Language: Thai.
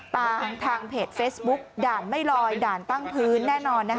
ทางเพจเฟซบุ๊กด่านไม่ลอยด่านตั้งพื้นแน่นอน